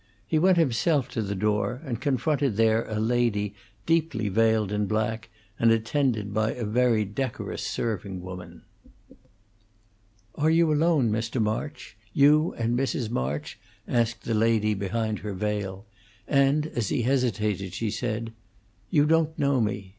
He went himself to the door, and confronted there a lady deeply veiled in black and attended by a very decorous serving woman. "Are you alone, Mr. March you and Mrs. March?" asked the lady, behind her veil; and, as he hesitated, she said: "You don't know me!